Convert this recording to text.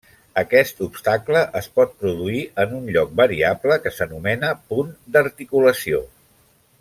Aquest obstacle es pot produir en un lloc variable que s'anomena punt d'articulació.